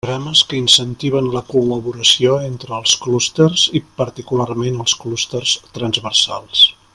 Programes que incentiven la col·laboració entre els clústers i particularment els clústers transversals.